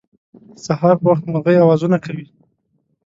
د سهار په وخت مرغۍ اوازونه کوی